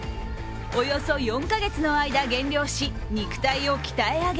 およそ４か月の間、減量し肉体を鍛え上げ